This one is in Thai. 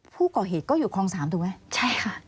ผู้ก่อเหตุก็อยู่คลอง๓ถูกไหมใช่ค่ะ